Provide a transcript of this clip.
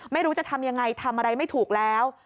ไม่รู้จะทำยังไงทำอะไรไม่ถูกแล้ว